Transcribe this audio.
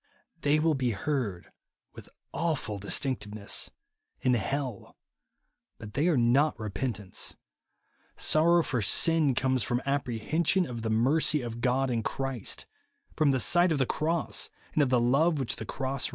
They will be heard with awful distinctness in hell ; but they are not repentance. Sorrow for sin comes from "apprehension of the mercy of God in Christ," from the sight of the cross and of the love which the cross reveals.